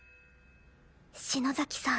篠崎さん。